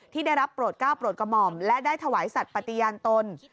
ที่ได้รับโปรดก้าวโปรดกระหม่อมและได้ถวายสัตว์ปฏิญาณตน